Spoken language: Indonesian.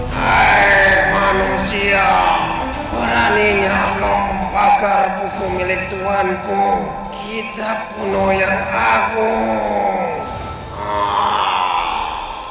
hei manusia peraninya kau kebakar buku milik tuanku kitab kuno yang agung